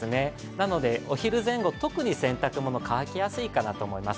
なので、お昼前後、特に洗濯物、乾きやすいかなと思います。